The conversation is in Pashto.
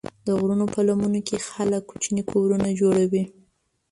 د غرونو په لمنو کې خلک کوچني کورونه جوړوي.